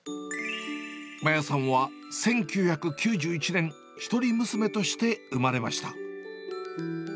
麻椰さんは１９９１年、一人娘として生まれました。